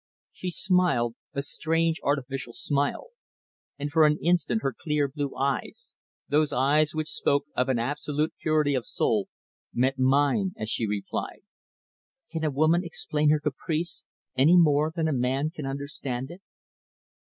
She smiled, a strange, artificial smile, and for an instant her clear blue eyes those eyes which spoke of an absolute purity of soul met mine, as she replied "Can a woman explain her caprice any more than a man can understand it?"